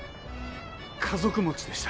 家族持ちでした。